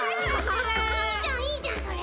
いいじゃんいいじゃんそれ。